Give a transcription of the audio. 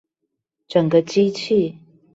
整個機器